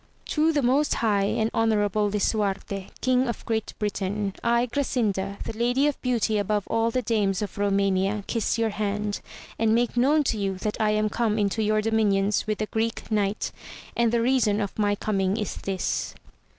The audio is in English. To the most high and honourable Lisuarte, king of Great Britain, I Grasinda, the Lady of Beauty above all the dames of Eomania, kiss your hand, and make known to you that I am come into your dominions with the Greek Knight, and the reason of my coming is this.